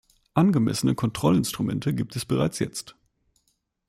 Angemessene Kontrollinstrumente gibt es bereits jetzt.